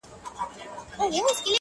دنظم عنوان دی قاضي او څارنوال.